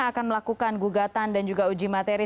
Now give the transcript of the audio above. akan melakukan gugatan dan juga uji materi